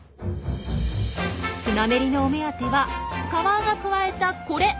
スナメリのお目当てはカワウがくわえたこれ！